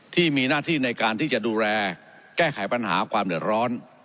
ที่มีหน้าที่ในการที่จะดูแลแก้ไขปัญหาความเดือดร้อน